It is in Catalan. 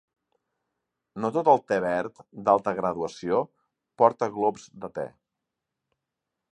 No tot el te verd d'alta graduació porta glops de te.